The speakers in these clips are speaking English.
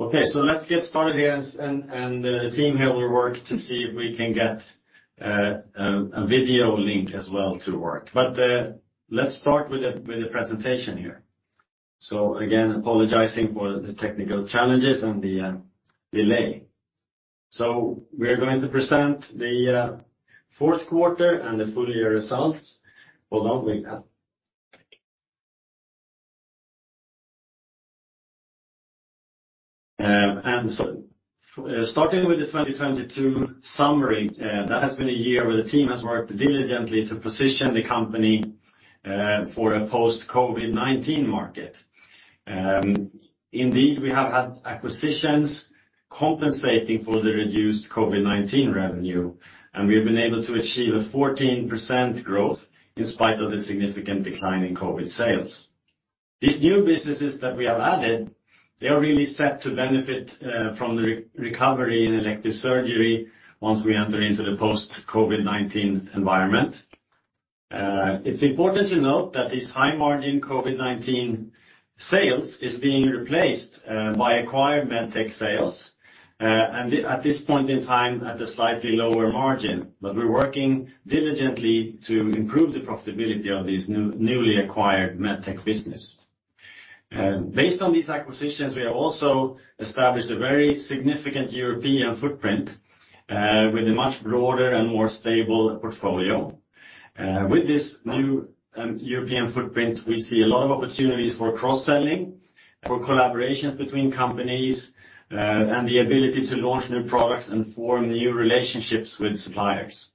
Okay, let's get started here and the team here will work to see if we can get a video link as well to work. Let's start with the, with the presentation here. Again, apologizing for the technical challenges and the delay. We are going to present the fourth quarter and the full year results. Hold on. Starting with the 2022 summary, that has been a year where the team has worked diligently to position the company for a post COVID-19 market. Indeed, we have had acquisitions compensating for the reduced COVID-19 revenue, and we have been able to achieve a 14% growth in spite of the significant decline in COVID sales. These new businesses that we have added, they are really set to benefit from the re-recovery in elective surgery once we enter into the post COVID-19 environment. It's important to note that this high margin COVID-19 sales is being replaced by acquired MedTech sales, and at this point in time, at a slightly lower margin. We're working diligently to improve the profitability of this newly acquired MedTech business. Based on these acquisitions, we have also established a very significant European footprint, with a much broader and more stable portfolio. With this new European footprint, we see a lot of opportunities for cross-selling, for collaborations between companies, and the ability to launch new products and form new relationships with suppliers.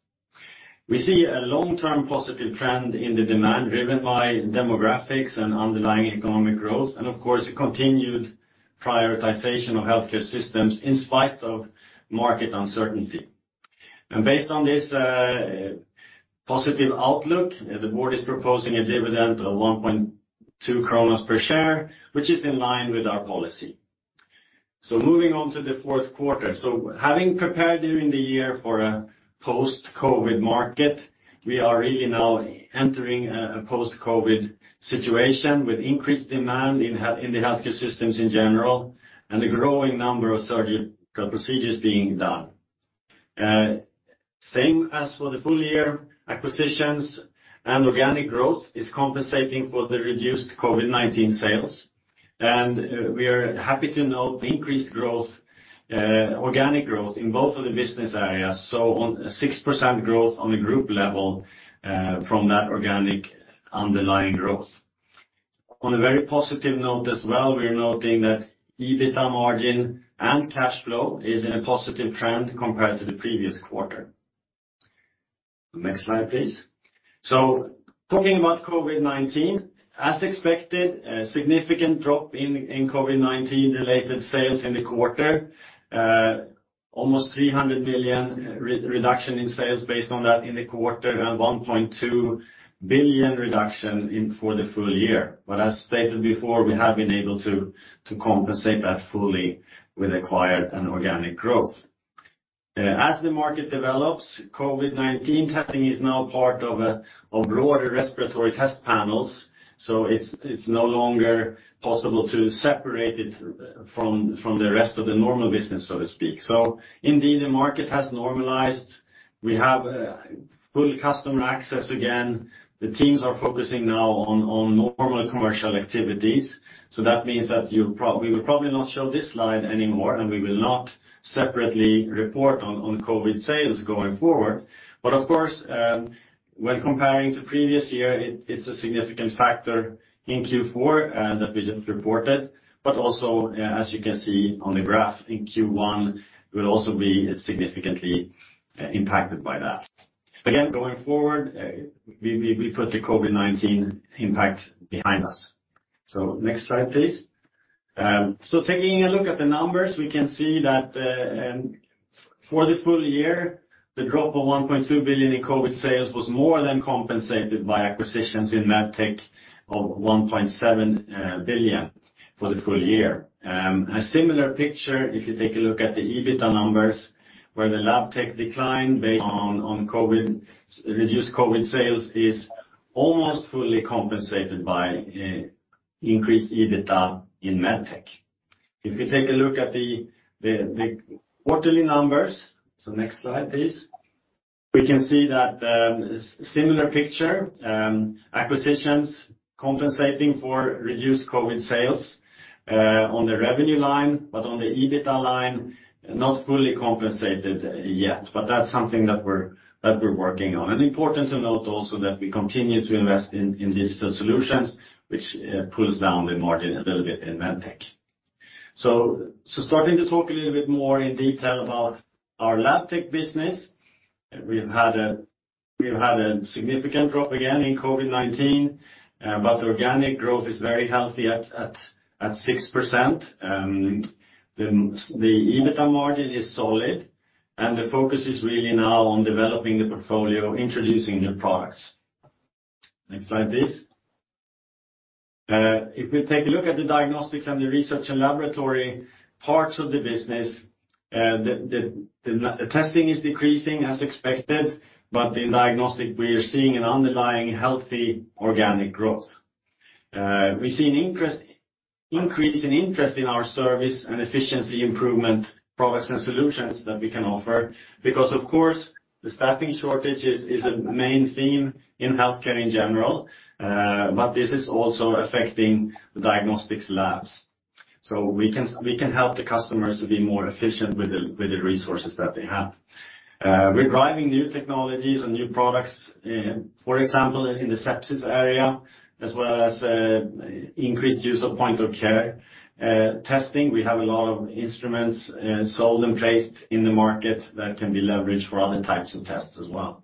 We see a long-term positive trend in the demand driven by demographics and underlying economic growth and of course, a continued prioritization of healthcare systems in spite of market uncertainty. Based on this positive outlook, the board is proposing a dividend of 1.2 per share, which is in line with our policy. Moving on to the fourth quarter. Having prepared during the year for a post-COVID market, we are really now entering a post-COVID situation with increased demand in the healthcare systems in general, and a growing number of surgical procedures being done. Same as for the full year, acquisitions and organic growth is compensating for the reduced COVID-19 sales, and we are happy to note the increased growth, organic growth in both of the business areas. On 6% growth on the group level, from that organic underlying growth. On a very positive note as well, we are noting that EBITDA margin and cash flow is in a positive trend compared to the previous quarter. Next slide, please. Talking about COVID-19. As expected, a significant drop in COVID-19 related sales in the quarter. Almost 300 million reduction in sales based on that in the quarter, and 1.2 billion reduction for the full year. As stated before, we have been able to compensate that fully with acquired and organic growth. As the market develops, COVID-19 testing is now part of broader respiratory test panels, so it's no longer possible to separate it from the rest of the normal business, so to speak. Indeed, the market has normalized. We have full customer access again. The teams are focusing now on normal commercial activities. That means that we will probably not show this slide anymore, and we will not separately report on COVID sales going forward. Of course, when comparing to previous year, it's a significant factor in Q4 that we just reported. Also, as you can see on the graph in Q1 will also be significantly impacted by that. Again, going forward, we put the COVID-19 impact behind us. Next slide, please. Taking a look at the numbers, we can see that for the full year, the drop of 1.2 billion in COVID sales was more than compensated by acquisitions in MedTech of 1.7 billion for the full year. A similar picture, if you take a look at the EBITDA numbers, where the Labtech decline based on COVID, reduced COVID sales is almost fully compensated by increased EBITDA in MedTech. If you take a look at the quarterly numbers, next slide, please, we can see that similar picture, acquisitions compensating for reduced COVID sales on the revenue line, but on the EBITDA line, not fully compensated yet. That's something that we're working on. Important to note also that we continue to invest in digital solutions, which pulls down the margin a little bit in MedTech. Starting to talk a little bit more in detail about our Labtech business. We have had a significant drop again in COVID-19, but organic growth is very healthy at 6%. The EBITDA margin is solid, and the focus is really now on developing the portfolio, introducing new products. Next slide, please. If we take a look at the diagnostics and the research and laboratory parts of the business, the testing is decreasing as expected, but in diagnostic we are seeing an underlying healthy organic growth. We see an increase in interest in our service and efficiency improvement products and solutions that we can offer because of course, the staffing shortages is a main theme in healthcare in general, but this is also affecting the diagnostics labs. We can help the customers to be more efficient with the resources that they have. technologies and new products, for example, in the sepsis area, as well as increased use of point of care testing. We have a lot of instruments sold and placed in the market that can be leveraged for other types of tests as well.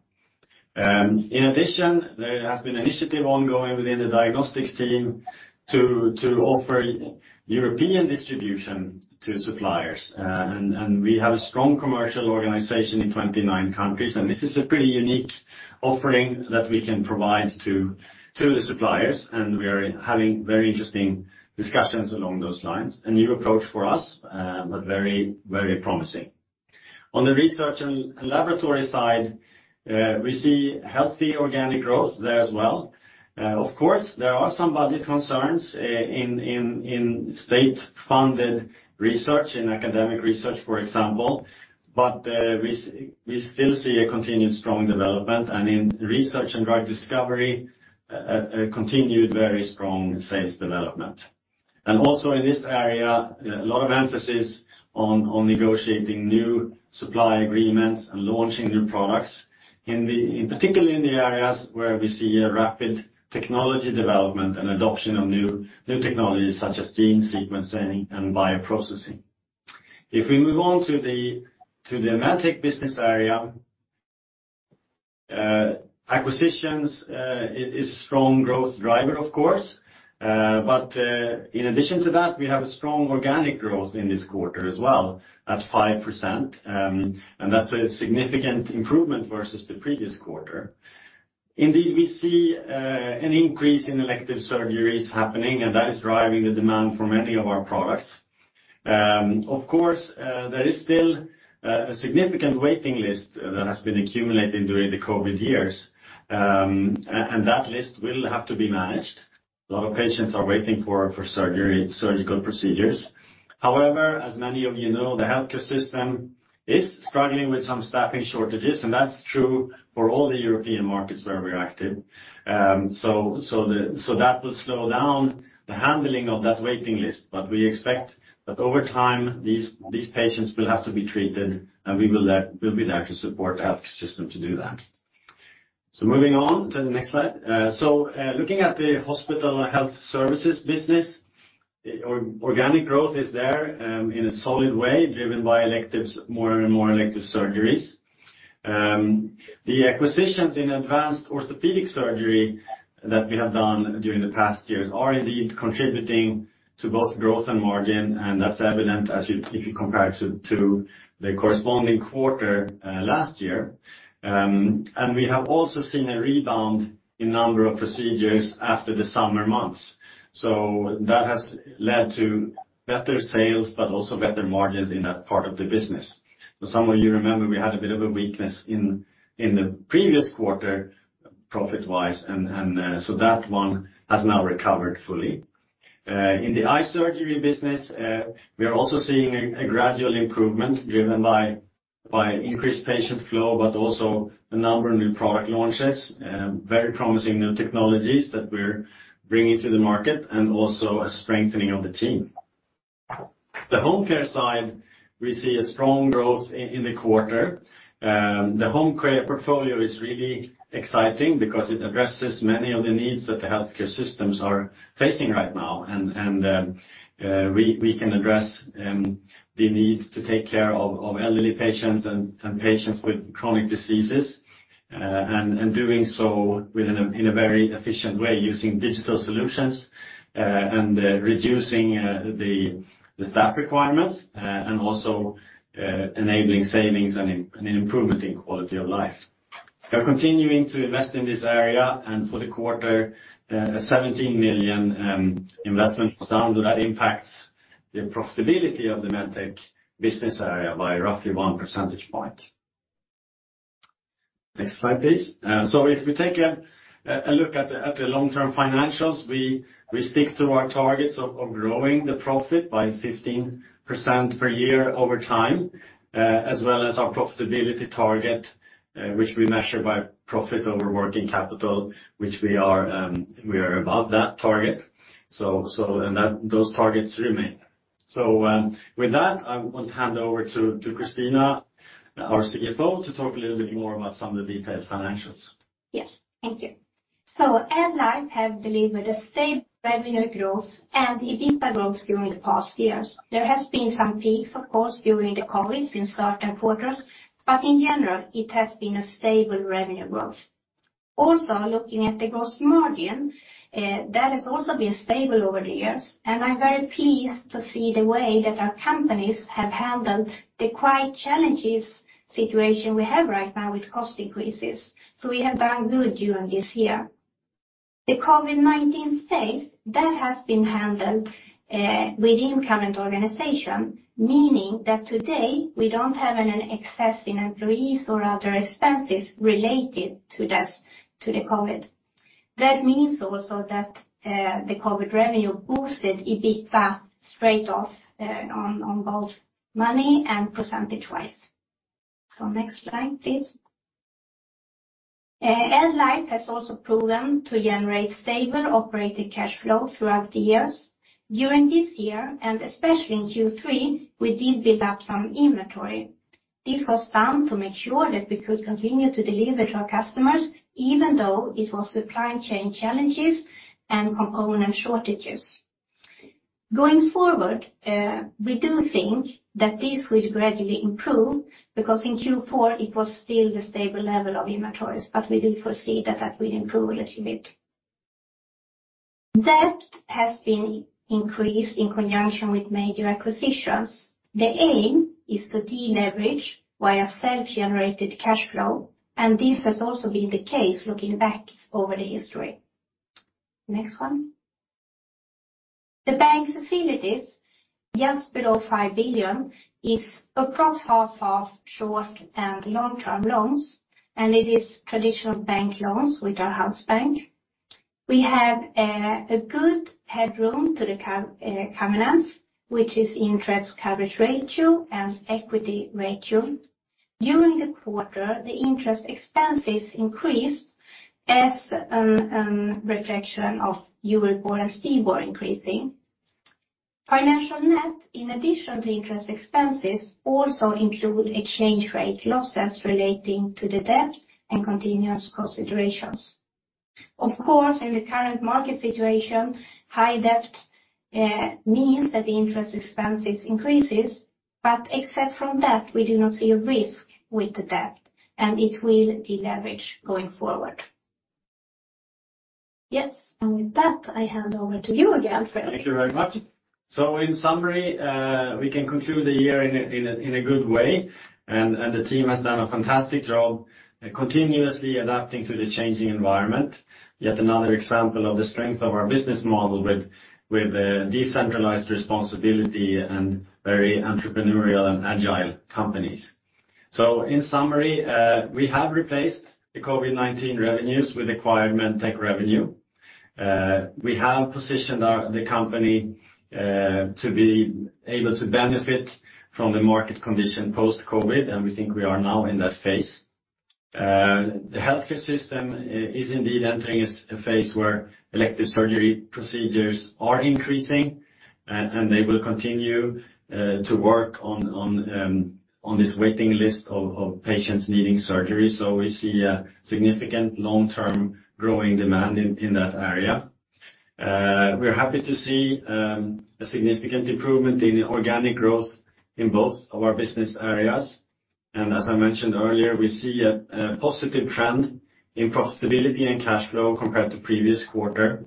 In addition, there has been initiative ongoing within the diagnostics team to offer European distribution to suppliers. We have a strong commercial organization in 29 countries, and this is a pretty unique offering that we can provide to the suppliers, and we are having very interesting discussions along those lines. A new approach for us, but very, very promising. On the research and laboratory side, we see healthy organic growth there as well. Of course, there are some budget concerns in state-funded research, in academic research, for example We still see a continued strong development and in research and drug discovery, a continued very strong sales development. Also in this area, a lot of emphasis on negotiating new supply agreements and launching new products, particularly in the areas where we see a rapid technology development and adoption of new technologies such as gene sequencing and bioprocessing. If we move on to the Medtech business area, acquisitions is strong growth driver of course, in addition to that, we have a strong organic growth in this quarter as well at 5%, and that's a significant improvement versus the previous quarter. We see an increase in elective surgeries happening, and that is driving the demand for many of our products. Of course, there is still a significant waiting list that has been accumulated during the COVID years. That list will have to be managed. A lot of patients are waiting for surgery, surgical procedures. However, as many of you know, the healthcare system is struggling with some staffing shortages, and that's true for all the European markets where we're active. So that will slow down the handling of that waiting list. We expect that over time, these patients will have to be treated, and we'll be there to support the health system to do that. Moving on to the next slide. Looking at the hospital health services business, organic growth is there, in a solid way, driven by electives, more and more elective surgeries. The acquisitions in advanced orthopedic surgery that we have done during the past years are indeed contributing to both growth and margin, and that's evident as if you compare it to the corresponding quarter last year. We have also seen a rebound in number of procedures after the summer months. That has led to better sales, but also better margins in that part of the business. Some of you remember we had a bit of a weakness in the previous quarter profit-wise, and so that one has now recovered fully. In the eye surgery business, we are also seeing a gradual improvement driven by increased patient flow, but also a number of new product launches, very promising new technologies that we're bringing to the market, and also a strengthening of the team. The home care side, we see a strong growth in the quarter. The home care portfolio is really exciting because it addresses many of the needs that the healthcare systems are facing right now. We can address the needs to take care of elderly patients and patients with chronic diseases, and doing so within a very efficient way using digital solutions, and reducing the staff requirements, and also enabling savings and improvement in quality of life. We are continuing to invest in this area, and for the quarter, a 17 million investment was done. That impacts the profitability of the Medtech business area by roughly one percentage point. Next slide, please. If we take a look at the long-term financials, we stick to our targets of growing the profit by 15% per year over time, as well as our profitability target, which we measure by profit over working capital, which we are above that target. That, those targets remain. With that, I want to hand over to Christina, our CFO, to talk a little bit more about some of the detailed financials. Yes. Thank you. AddLife have delivered a stable revenue growth and EBITDA growth during the past years. There has been some peaks, of course, during the COVID in certain quarters, but in general, it has been a stable revenue growth. Looking at the gross margin, that has also been stable over the years, and I'm very pleased to see the way that our companies have handled the quite challenges situation we have right now with cost increases. We have done good during this year. The COVID-19 space, that has been handled within current organization, meaning that today we don't have an excess in employees or other expenses related to the COVID. That means also that the COVID revenue boosted EBITDA straight off on both money and percentage-wise. Next slide, please. AddLife has also proven to generate stable operating cash flow throughout the years. During this year, and especially in Q3, we did build up some inventory. This was done to make sure that we could continue to deliver to our customers, even though it was supply chain challenges and component shortages. Going forward, we do think that this will gradually improve because in Q4 it was still the stable level of inventories, but we did foresee that that will improve a little bit. Debt has been increased in conjunction with major acquisitions. The aim is to deleverage via self-generated cash flow, and this has also been the case looking back over the history. Next one. The bank facilities, just below 5 billion, is across 50/50 short and long-term loans, and it is traditional bank loans with our house bank. We have a good headroom to the covenants, which is interest coverage ratio and equity ratio. During the quarter, the interest expenses increased as a reflection of Euribor and CIBOR increasing. Financial net, in addition to interest expenses, also include exchange rate losses relating to the debt and continuous considerations. Of course, in the current market situation, high debt means that the interest expenses increases, but except from that, we do not see a risk with the debt and it will deleverage going forward. Yes, with that, I hand over to you again, Fredrik. Thank you very much. In summary, we can conclude the year in a good way and the team has done a fantastic job continuously adapting to the changing environment. Yet another example of the strength of our business model with decentralized responsibility and very entrepreneurial and agile companies. In summary, we have replaced the COVID-19 revenues with acquired MedTech revenue. We have positioned the company to be able to benefit from the market condition post-COVID, and we think we are now in that phase. The healthcare system is indeed entering as a phase where elective surgery procedures are increasing, and they will continue to work on this waiting list of patients needing surgery. We see a significant long-term growing demand in that area. We're happy to see a significant improvement in organic growth in both of our business areas. As I mentioned earlier, we see a positive trend in profitability and cash flow compared to previous quarter.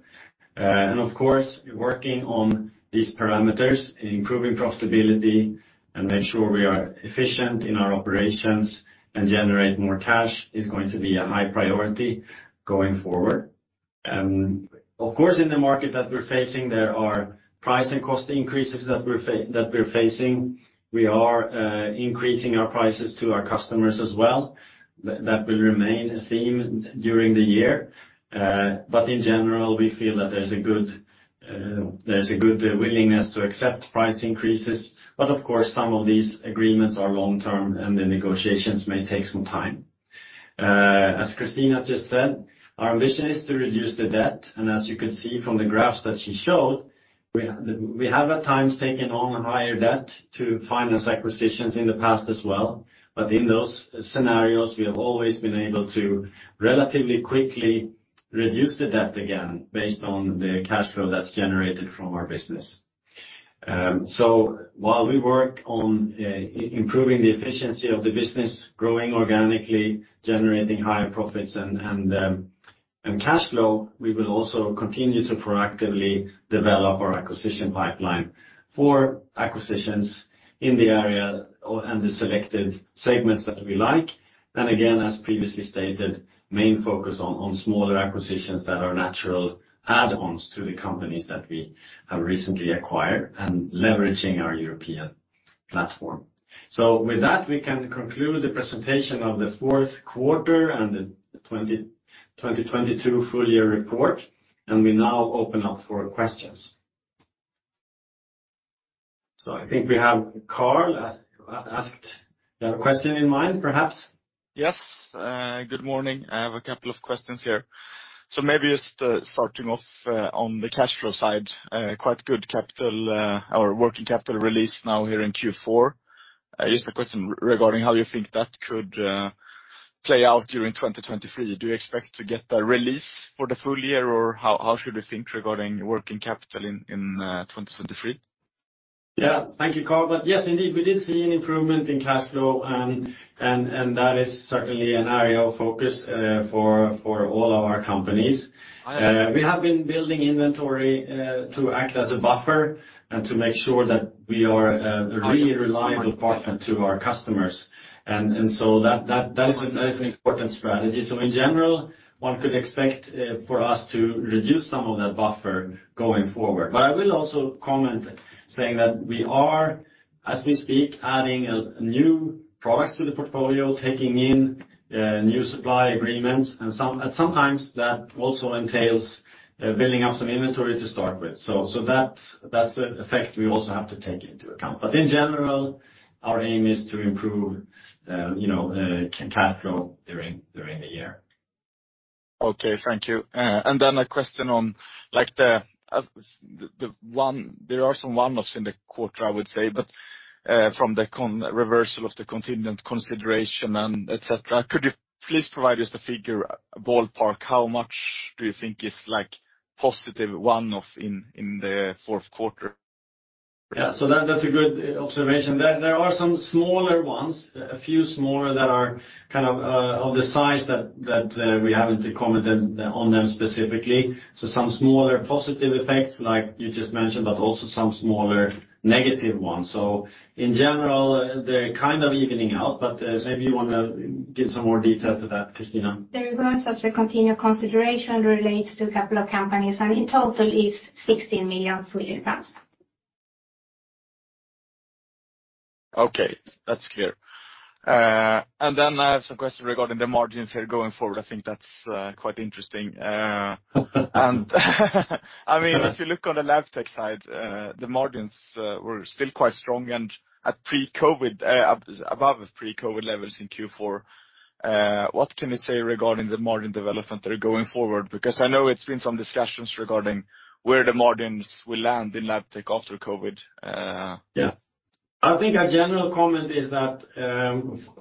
Of course, working on these parameters, improving profitability and make sure we are efficient in our operations and generate more cash is going to be a high priority going forward. Of course, in the market that we're facing, there are price and cost increases that we're facing. We are increasing our prices to our customers as well. That will remain a theme during the year. In general, we feel that there's a good willingness to accept price increases. Of course, some of these agreements are long-term and the negotiations may take some time. As Christina just said, our ambition is to reduce the debt. As you can see from the graphs that she showed, we have at times taken on higher debt to finance acquisitions in the past as well. In those scenarios, we have always been able to relatively quickly reduce the debt again based on the cash flow that's generated from our business. While we work on improving the efficiency of the business, growing organically, generating higher profits and cash flow, we will also continue to proactively develop our acquisition pipeline for acquisitions in the area and the selected segments that we like. Again, as previously stated, main focus on smaller acquisitions that are natural add-ons to the companies that we have recently acquired and leveraging our European platform. With that, we can conclude the presentation of the fourth quarter and the 2022 full year report. We now open up for questions. I think we have Carl asked, you have a question in mind, perhaps? Yes. Good morning. I have a couple of questions here. Maybe just starting off on the cash flow side, quite good capital or working capital release now here in Q4. Just a question regarding how you think that could play out during 2023. Do you expect to get a release for the full year, or how should we think regarding working capital in 2023? Yeah. Thank you, Carl. Yes, indeed, we did see an improvement in cash flow, and that is certainly an area of focus for all our companies. We have been building inventory to act as a buffer and to make sure that we are a really reliable partner to our customers. That is an important strategy. In general, one could expect for us to reduce some of that buffer going forward. I will also comment saying that we are, as we speak, adding new products to the portfolio, taking in new supply agreements and at some times, that also entails building up some inventory to start with. That's a effect we also have to take into account. In general, our aim is to improve, you know, cash flow during the year. Okay, thank you. A question on, like, there are some one-offs in the quarter, I would say, but, from the reversal of the contingent consideration and et cetera, could you please provide us the figure, ballpark, how much do you think is, like, positive one-off in the fourth quarter? Yeah. That, that's a good observation. There are some smaller ones, a few smaller that are kind of of the size that we haven't commented on them specifically. Some smaller positive effects, like you just mentioned, but also some smaller negative ones. In general, they're kind of evening out, but maybe you wanna give some more detail to that, Christina. The reverse of the continued consideration relates to a couple of companies, and in total is SEK 16 million. Okay, that's clear. I have some questions regarding the margins here going forward. I think that's quite interesting. I mean, if you look on the Labtech side, the margins were still quite strong and at pre-COVID above pre-COVID levels in Q4. What can you say regarding the margin development there going forward? Because I know it's been some discussions regarding where the margins will land in Labtech after COVID. Yeah. I think a general comment is that,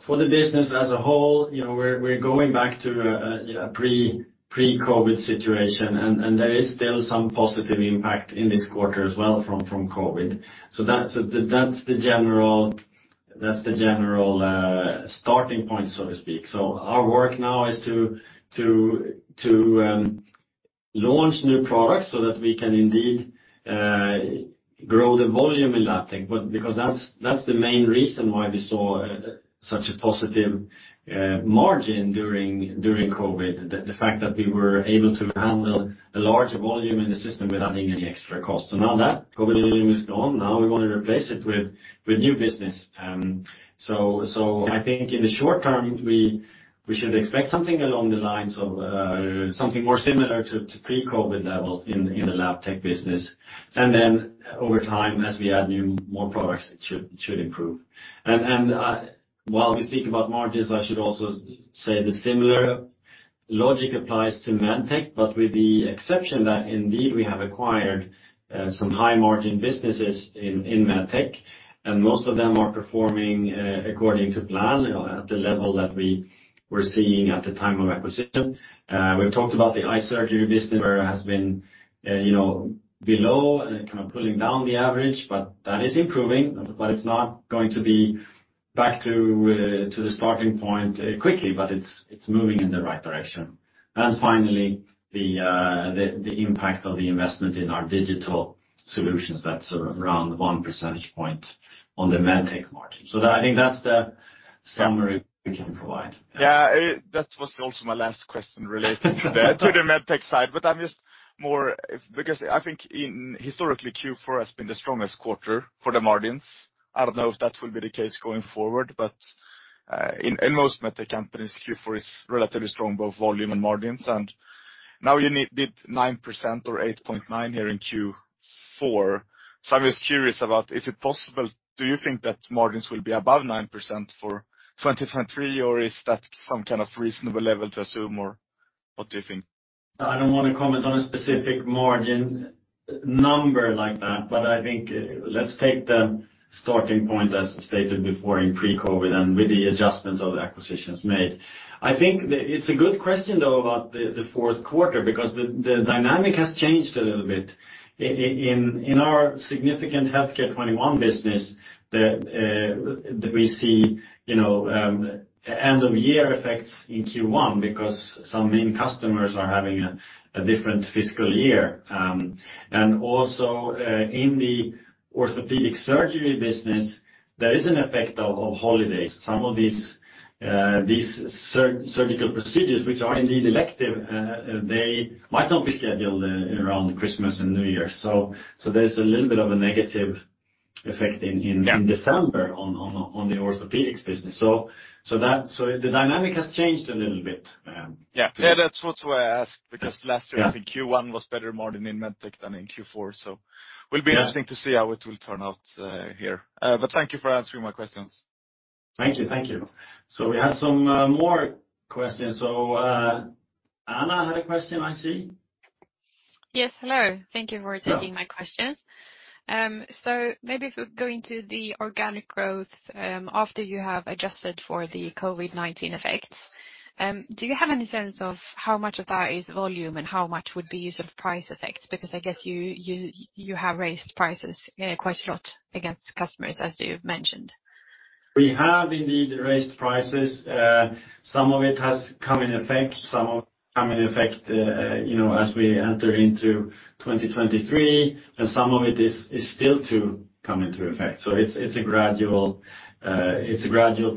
for the business as a whole, you know, we're going back to a pre-COVID situation. There is still some positive impact in this quarter as well from COVID. That's the general starting point, so to speak. Our work now is to launch new products so that we can indeed grow the volume in Labtech. Because that's the main reason why we saw such a positive margin during COVID. The fact that we were able to handle a larger volume in the system without needing any extra cost. Now that COVID volume is gone, now we wanna replace it with new business. I think in the short term, we should expect something along the lines of something more similar to pre-COVID levels in the Labtech business. Then over time, as we add new, more products, it should improve. While we speak about margins, I should also say the similar logic applies to Medtech, but with the exception that indeed we have acquired some high-margin businesses in Medtech, and most of them are performing according to plan at the level that we were seeing at the time of acquisition. We've talked about the eye surgery business where it has been, you know, below and kind of pulling down the average, but that is improving. It's not going to be back to the starting point quickly, but it's moving in the right direction. Finally, the, the impact of the investment in our digital solutions, that's around one percentage point on the Medtech margin. I think that's the summary we can provide. Yeah. That was also my last question relating to the Medtech side, but I'm just more... Because I think in historically, Q4 has been the strongest quarter for the margins. I don't know if that will be the case going forward, but in most Medtech companies, Q4 is relatively strong, both volume and margins. Now you need it 9% or 8.9% here in Q4. I'm just curious about, is it possible? Do you think that margins will be above 9% for 2023, or is that some kind of reasonable level to assume, or what do you think? I don't wanna comment on a specific margin number like that. I think let's take the starting point as stated before in pre-COVID and with the adjustments of the acquisitions made. I think it's a good question, though, about the fourth quarter because the dynamic has changed a little bit. In our significant Healthcare 21 business that we see, you know, end of year effects in Q1 because some main customers are having a different fiscal year. Also, in the orthopedic surgery business, there is an effect of holidays. Some of these surgical procedures, which are indeed elective, they might not be scheduled around Christmas and New Year. There's a little bit of a negative effect in. Yeah. -in December on the orthopedics business. The dynamic has changed a little bit. Yeah. That's why I asked, because last year- Yeah. I think Q1 was better margin in Medtech than in Q4. Will be interesting. Yeah. to see how it will turn out, here. Thank you for answering my questions. Thank you. Thank you. We have some more questions. Anna had a question, I see. Yes, hello. Thank you for taking my questions. Maybe if we go into the organic growth, after you have adjusted for the COVID-19 effects, do you have any sense of how much of that is volume and how much would be sort of price effects? Because I guess you have raised prices, quite a lot against customers, as you've mentioned. We have indeed raised prices. Some of it has come in effect, some of it come in effect, you know, as we enter into 2023, and some of it is still to come into effect. It's a gradual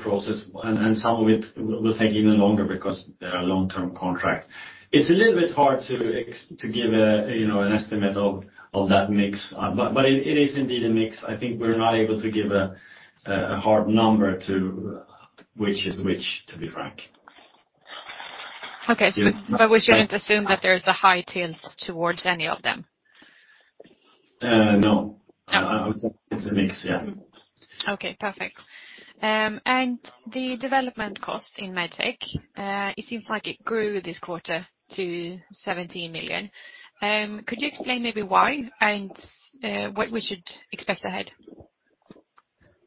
process, and some of it will take even longer because they are long-term contracts. It's a little bit hard to give a, you know, an estimate of that mix. It is indeed a mix. I think we're not able to give a hard number to which is which, to be frank. Okay. We shouldn't assume that there's a high tilt towards any of them. No. I would say it's a mix, yeah. Okay, perfect. The development cost in Medtech, it seems like it grew this quarter to 17 million. Could you explain maybe why, and what we should expect ahead?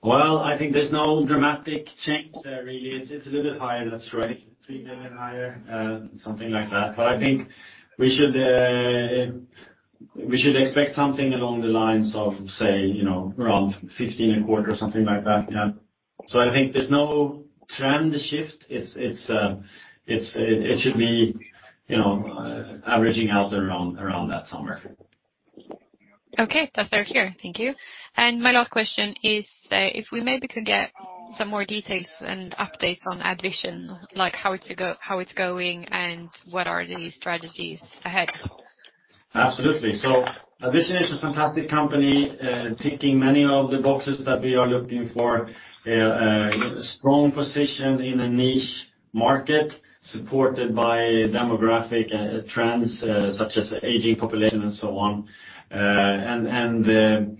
Well, I think there's no dramatic change there really. It's, it's a little bit higher, that's right. 3 million higher, something like that. I think we should expect something along the lines of, say, you know, around 15 a quarter or something like that. Yeah. I think there's no trend shift. It should be, you know, averaging out around that somewhere. Okay. That's very clear. Thank you. My last question is, if we maybe could get some more details and updates on AddVision, like how it's going and what are the strategies ahead? Absolutely. AddVision is a fantastic company, ticking many of the boxes that we are looking for. Strong position in a niche market supported by demographic trends, such as aging population and so on. AddVision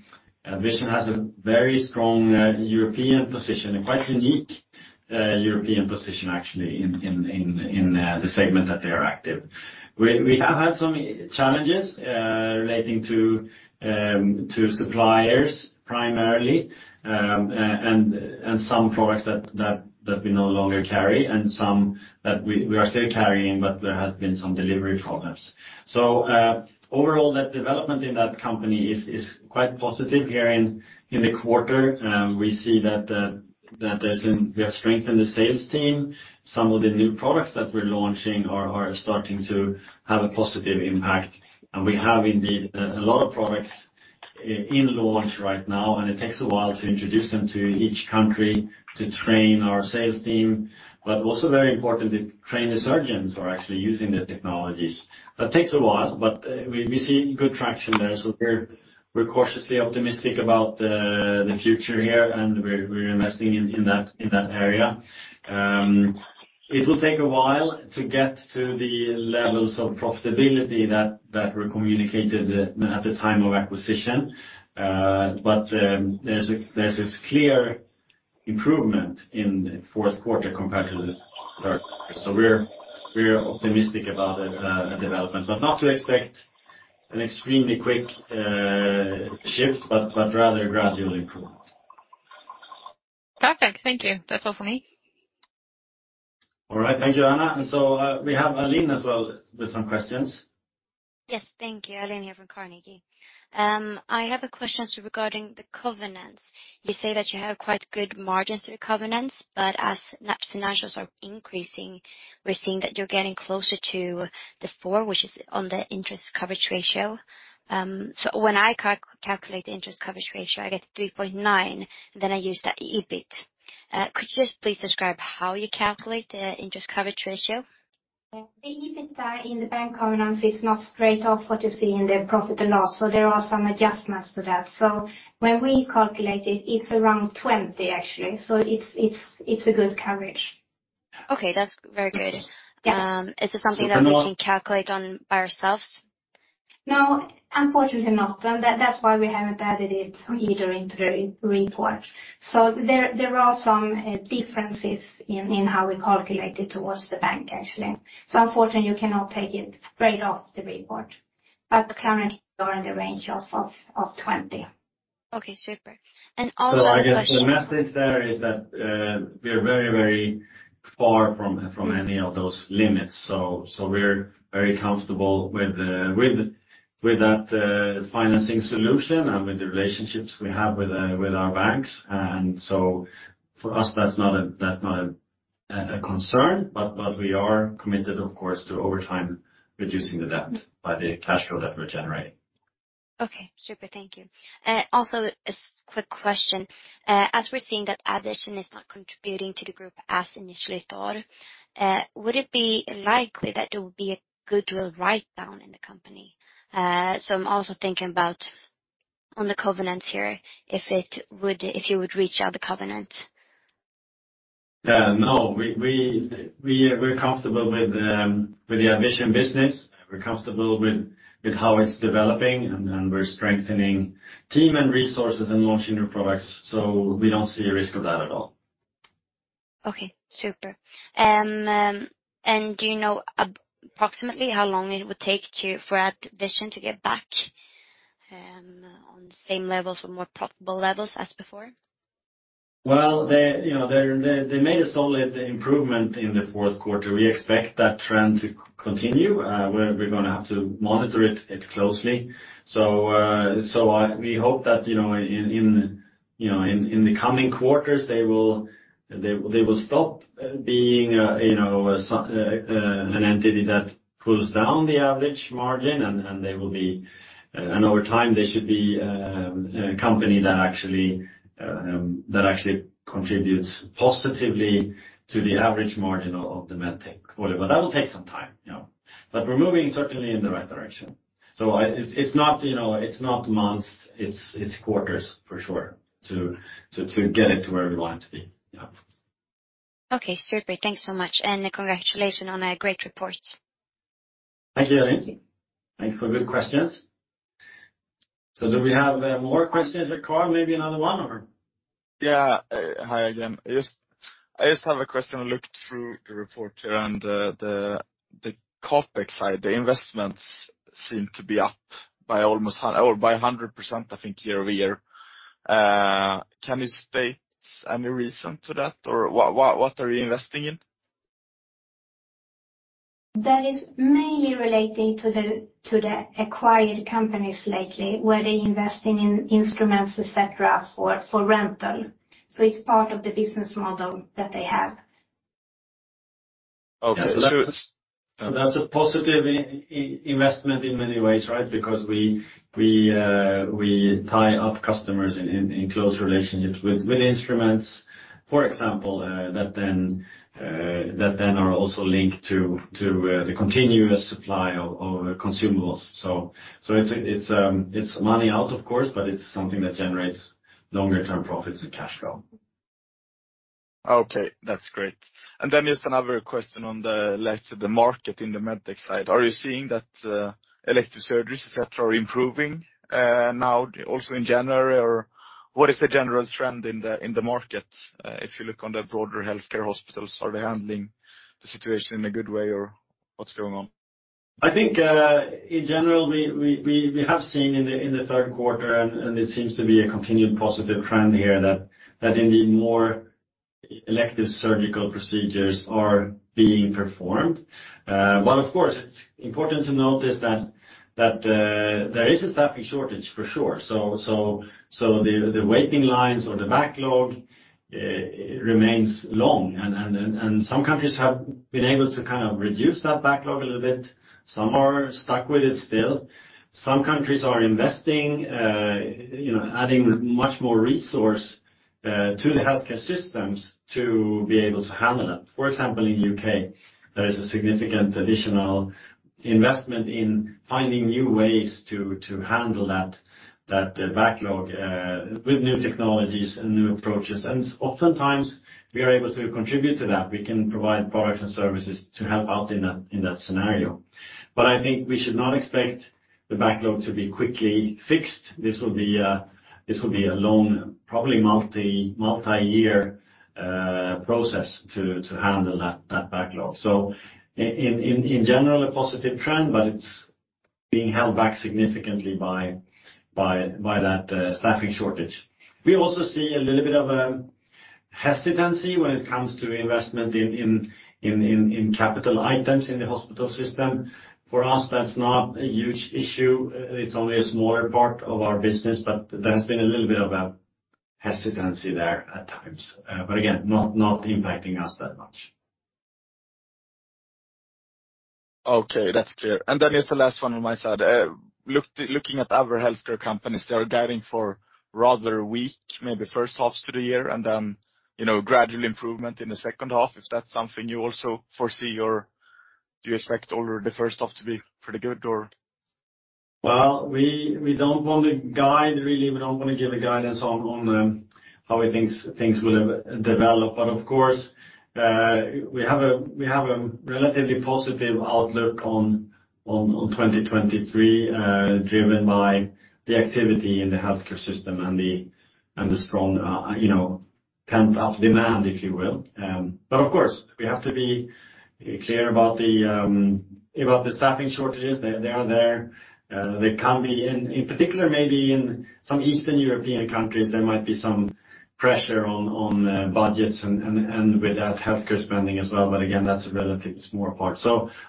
has a very strong European position, a quite unique European position actually in the segment that they are active. We have had some challenges relating to suppliers primarily, and some products that we no longer carry and some that we are still carrying, but there has been some delivery problems. Overall net development in that company is quite positive here in the quarter. We see that We have strengthened the sales team. Some of the new products that we're launching are starting to have a positive impact. We have indeed, a lot of products in launch right now. It takes a while to introduce them to each country to train our sales team, but also very important to train the surgeons who are actually using the technologies. That takes a while, but, we see good traction there. We're cautiously optimistic about the future here. We're investing in that area. It will take a while to get to the levels of profitability that were communicated at the time of acquisition. There's this clear improvement in the fourth quarter compared to the third quarter. We're optimistic about the development, but not to expect an extremely quick shift, but rather gradual improvement. Perfect. Thank you. That's all for me. All right. Thank you, Anna. We have Aline as well with some questions. Yes. Thank you. Aline here from Carnegie. I have a question regarding the covenants. You say that you have quite good margins through covenants, but as net financials are increasing, we're seeing that you're getting closer to the four, which is on the interest coverage ratio. When I calculate the interest coverage ratio, I get 3.9, then I use the EBIT. Could you just please describe how you calculate the interest coverage ratio? The EBIT in the bank covenants is not straight off what you see in the profit and loss. There are some adjustments to that. When we calculate it's around 20, actually. It's a good coverage. Okay, that's very good. Yeah. Is this something that we can calculate on by ourselves? No, unfortunately not. That's why we haven't added it either into the report. There are some differences in how we calculate it towards the bank, actually. Unfortunately, you cannot take it straight off the report. Currently we're in the range of 20. Okay, super. Also a question- I guess the message there is that we're very, very far from any of those limits. We're very comfortable with that financing solution and with the relationships we have with our banks. For us, that's not a concern, but we are committed, of course, to over time reducing the debt by the cash flow that we're generating. Okay, super. Thank you. Also a quick question. As we're seeing that AddVision is not contributing to the group as initially thought, would it be likely that there will be a goodwill write-down in the company? I'm also thinking about on the covenants here, if you would reach out the covenant. No. We're comfortable with the AddVision business. We're comfortable with how it's developing, and we're strengthening team and resources and launching new products. We don't see a risk of that at all. Okay, super. Do you know approximately how long it would take for AddVision to get back on the same levels or more profitable levels as before? Well, they, you know, they're, they made a solid improvement in the fourth quarter. We expect that trend to continue. We're gonna have to monitor it closely. We hope that, you know, in, you know, in the coming quarters, they will stop being, you know, an entity that pulls down the average margin and they will be... Over time, they should be a company that actually that actually contributes positively to the average margin of the Medtech quarter. That will take some time, you know. We're moving certainly in the right direction. It's not, you know, it's not months, it's quarters for sure to get it to where we want it to be. Yeah. Okay. Super. Thanks so much. Congratulations on a great report. Thank you, Elin. Thank you. Thanks for good questions. Do we have more questions? Carl, maybe another one or...? Yeah. Hi again. I just have a question. I looked through the report here and the CapEx side, the investments seem to be up by almost 100%, I think, year-over-year. Can you state any reason to that? What are you investing in? That is mainly relating to the acquired companies lately, where they invest in instruments, et cetera, for rental. It's part of the business model that they have. Okay. That's a positive investment in many ways, right? Because we tie up customers in close relationships with instruments. For example, that then are also linked to the continuous supply of consumables. It's money out, of course, but it's something that generates longer term profits and cash flow. Okay, that's great. Just another question like the market in the Medtech side. Are you seeing that elective surgeries, et cetera, are improving now also in January? What is the general trend in the market if you look on the broader healthcare hospitals? Are they handling the situation in a good way or what's going on? I think, in general, we have seen in the third quarter, and it seems to be a continued positive trend here, that indeed more elective surgical procedures are being performed. Of course, it's important to notice that there is a staffing shortage for sure. The waiting lines or the backlog remains long. Some countries have been able to kind of reduce that backlog a little bit. Some are stuck with it still. Some countries are investing, you know, adding much more resource to the healthcare systems to be able to handle that. For example, in the UK, there is a significant additional investment in finding new ways to handle that backlog with new technologies and new approaches. Oftentimes we are able to contribute to that. We can provide products and services to help out in that, in that scenario. I think we should not expect the backlog to be quickly fixed. This will be a long, probably multi-year process to handle that backlog. In general, a positive trend, but it's being held back significantly by that staffing shortage. We also see a little bit of a hesitancy when it comes to investment in capital items in the hospital system. For us, that's not a huge issue. It's only a smaller part of our business, but there's been a little bit of a hesitancy there at times. Again, not impacting us that much. Okay, that's clear. Then here's the last one on my side. looking at other healthcare companies, they are guiding for rather weak, maybe first halves to the year and then, you know, gradual improvement in the second half, if that's something you also foresee or do you expect all of the first half to be pretty good or? We don't want to guide really. We don't wanna give a guidance on how we think things will develop. Of course, we have a relatively positive outlook on 2023, driven by the activity in the healthcare system and the strong, you know, pent-up demand, if you will. Of course, we have to be clear about the staffing shortages. They are there. They can be in particular, maybe in some Eastern European countries, there might be some pressure on budgets and with that, healthcare spending as well. Again, that's a relatively small part.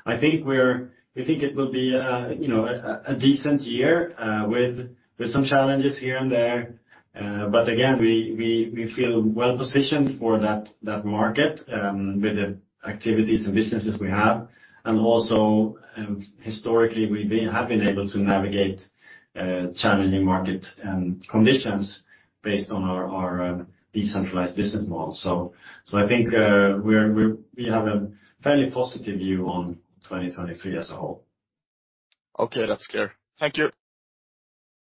I think we think it will be, you know, a decent year with some challenges here and there. Again, we feel well positioned for that market, with the activities and businesses we have. Also, historically, we have been able to navigate challenging market conditions based on our decentralized business model. I think, we have a fairly positive view on 2023 as a whole. Okay. That's clear. Thank you.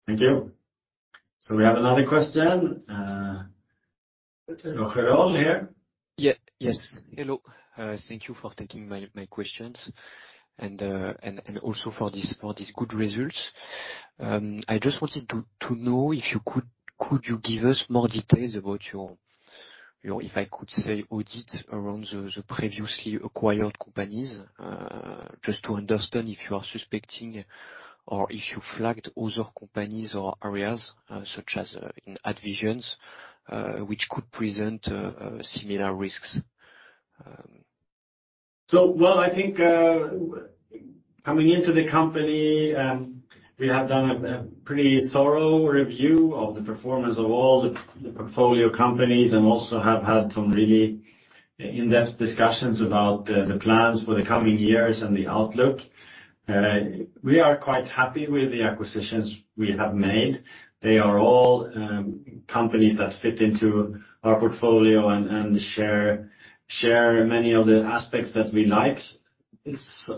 Thank you. We have another question. Jerome here. Yeah. Yes. Hello. thank you for taking my questions and also for these good results. I just wanted to know, Could you give us more details about your, if I could say, audit around the previously acquired companies just to understand if you are suspecting or if you flagged other companies or areas such as in AddVision which could present similar risks. Well, I think, coming into the company, we have done a pretty thorough review of the performance of all the portfolio companies and also have had some really in-depth discussions about the plans for the coming years and the outlook. We are quite happy with the acquisitions we have made. They are all companies that fit into our portfolio and share many of the aspects that we like.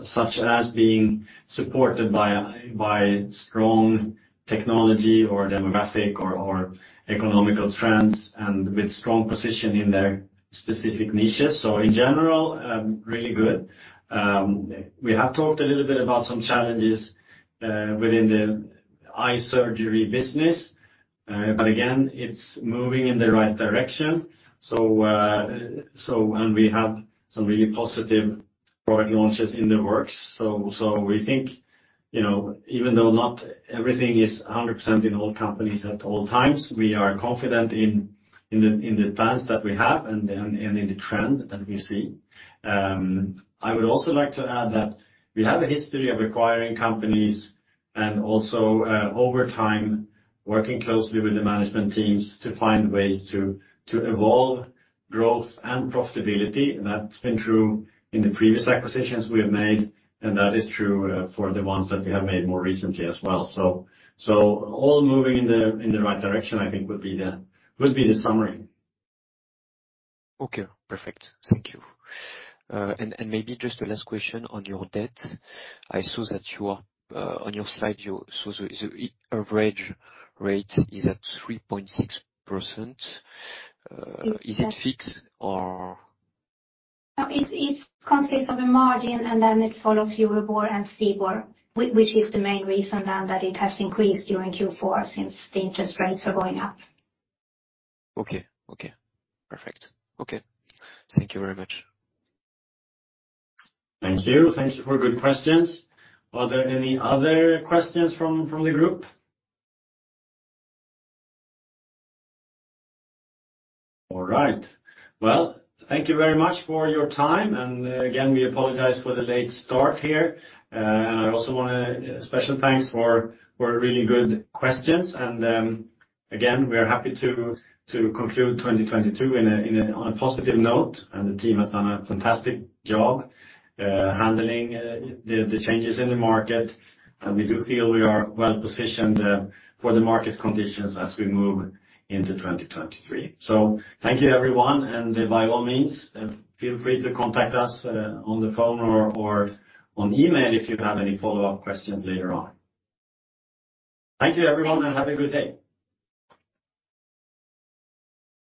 Such as being supported by strong technology or demographic or economical trends and with strong position in their specific niches. In general, really good. We have talked a little bit about some challenges within the eye surgery business. Again, it's moving in the right direction. And we have some really positive product launches in the works. We think, you know, even though not everything is 100% in all companies at all times, we are confident in the plans that we have and in the trend that we see. I would also like to add that we have a history of acquiring companies and also, over time, working closely with the management teams to find ways to evolve growth and profitability. That's been true in the previous acquisitions we have made, and that is true for the ones that we have made more recently as well. All moving in the right direction, I think would be the summary. Okay. Perfect. Thank you. Maybe just a last question on your debt. I saw that on your slide, you saw the average rate is at 3.6%. Is it fixed or? No, it's consists of a margin, and then it follows Euribor and STIBOR, which is the main reason then that it has increased during Q4 since the interest rates are going up. Okay. Okay. Perfect. Okay. Thank you very much. Thank you. Thank you for good questions. Are there any other questions from the group? All right. Well, thank you very much for your time. Again, we apologize for the late start here. I also wanna. A special thanks for really good questions. Again, we are happy to conclude 2022 on a positive note. The team has done a fantastic job handling the changes in the market. We do feel we are well-positioned for the market conditions as we move into 2023. Thank you, everyone. By all means, feel free to contact us on the phone or on email if you have any follow-up questions later on. Thank you, everyone. Have a good day.